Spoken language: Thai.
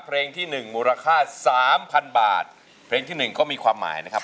เพลงที่หนึ่งมูลค่าสามพันบาทเพลงที่หนึ่งก็มีความหมายนะครับ